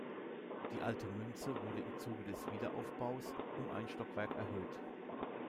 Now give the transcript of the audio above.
Die Alte Münze wurde im Zuge des Wiederaufbaus um ein Stockwerk erhöht.